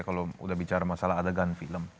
kalau udah bicara masalah adegan film